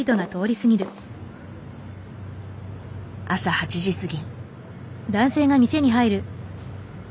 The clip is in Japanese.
朝８時過ぎ。